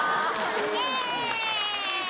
イエーイ！